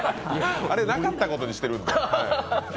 あれ、なかったことにしてるんで。